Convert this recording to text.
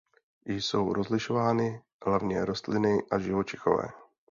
Jsou rozlišovány hlavně rostliny a živočichové.